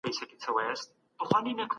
که موږ هڅه وکړو، نو بريالي کيږو.